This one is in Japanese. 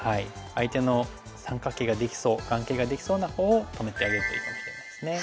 相手の三角形ができそう眼形ができそうなほうを止めてあげるといいかもしれないですね。